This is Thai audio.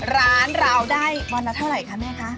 ร้านเราได้วันละเท่าไหร่คะแม่คะ